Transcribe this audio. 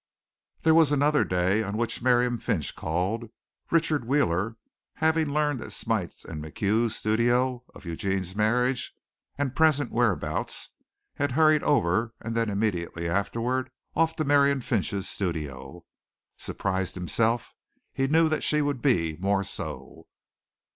There was another day on which Miriam Finch called. Richard Wheeler, having learned at Smite's and MacHugh's studio of Eugene's marriage and present whereabouts, had hurried over, and then immediately afterwards off to Miriam Finch's studio. Surprised himself, he knew that she would be more so.